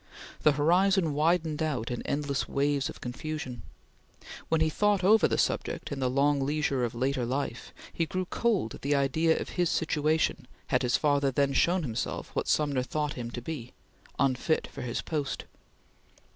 The horizon widened out in endless waves of confusion. When he thought over the subject in the long leisure of later life, he grew cold at the idea of his situation had his father then shown himself what Sumner thought him to be unfit for his post.